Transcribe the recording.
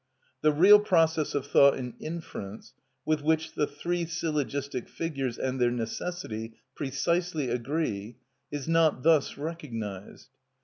The real process of thought in inference, with which the three syllogistic figures and their necessity precisely agree, is not thus recognised.